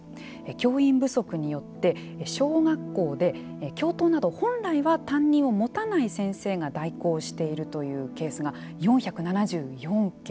教員不足によって小学校で教頭など本来は担任を持たない先生が代行しているというケースが４７４件。